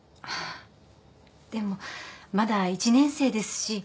あっでもまだ１年生ですし。